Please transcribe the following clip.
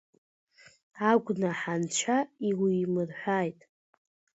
Агәнаҳа Анцәа иуимырҳәааит.